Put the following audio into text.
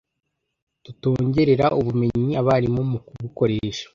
tutongerera ubumenyi abarimu mu kubikoresha